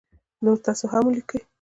نور تاسو هم ولیکی